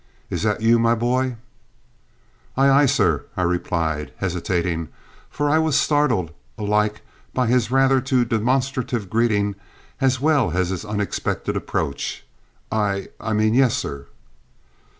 "Is that you, my boy?" "Aye, aye, sir," I replied, hesitating, for I was startled, alike by his rather too demonstrative greeting as well as his unexpected approach. "I I mean, yes, sir."